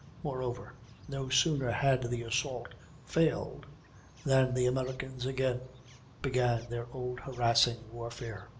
Moreover, no sooner had the assault failed, than the Americans again began their old harassing warfare.